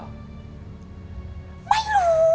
มันหรือ